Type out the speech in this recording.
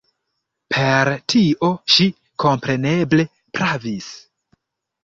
Per tio ŝi kompreneble pravis.